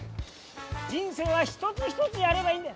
人生は一つ一つやればいいんだ。